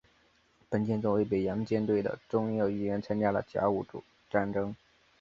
本舰作为北洋舰队的重要一员参加了甲午战争。